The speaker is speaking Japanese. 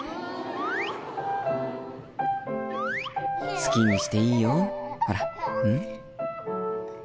好きにしていいよほら。